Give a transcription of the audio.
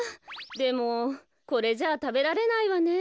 でもこれじゃあたべられないわね。